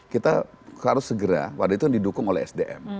kita harus segera pada itu yang didukung oleh sdm